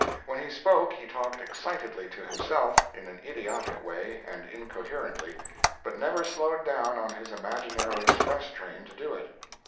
When he spoke he talked excitedly to himself, in an idiotic way and incoherently, but never slowed down on his imaginary express train to do it.